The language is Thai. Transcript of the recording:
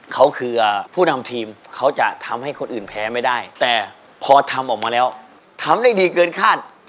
เขาคือผู้นำทีมเขาจะทำให้คนอื่นแพ้ไม่ได้แต่พอทำออกมาแล้วทำได้ดีเกินคาด